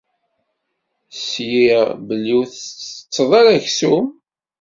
Sliɣ belli ur tettetteḍ ara aksum.